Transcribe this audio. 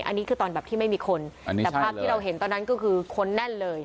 อันนี้คือตอนแบบที่ไม่มีคนอันนี้แต่ภาพที่เราเห็นตอนนั้นก็คือคนแน่นเลย